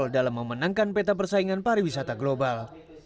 dalam memenangkan peta persaingan pariwisata global